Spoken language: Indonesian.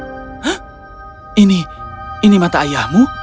hah ini ini mata ayahmu